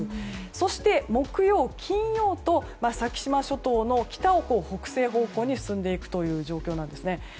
そして、木曜、金曜と先島諸島の北を北西方向に進んでいくという状況なんです。